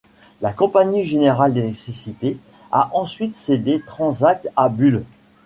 La Compagnie générale d'électricité a ensuite cédé Transac à Bull.